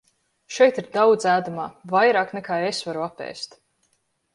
Šeit ir daudz ēdamā, vairāk nekā es varu apēst.